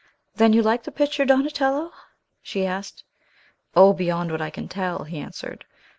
"Then you like the picture, Donatello?" she asked. "O, beyond what I can tell!" he answered.